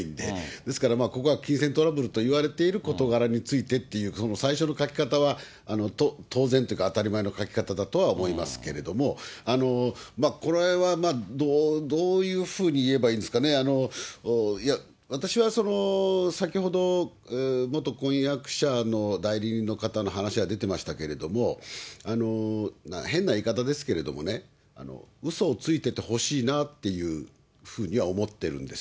ですから、まあここは金銭トラブルと言われている事柄についてっていう、その最初の書き方は、当然というか、当たり前の書き方だとは思いますけれども、これはどういうふうに言えばいいんですかね、いや、私はその、先ほど、元婚約者の代理人の方の話が出てましたけれども、変な言い方ですけれどもね、うそをついててほしいなっていうふうには思ってるんです。